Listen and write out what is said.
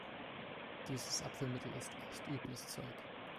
Dieses Abführmittel ist echt übles Zeug.